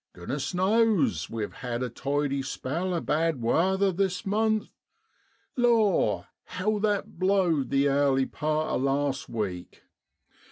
Goodness knows we've had a tidy spell o' bad waather this month. Law! how that blowed the airly part of last week